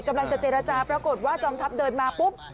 กำลังจะเจรจาปรากฏว่าจองทัพเดินมาปุ๊บ